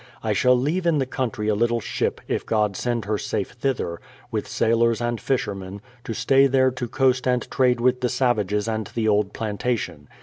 ... I shall leave in the country a little ship, if God send her safe thither, with sailors and fishermen, to stay there to coast and trade with the savages and the old plantation.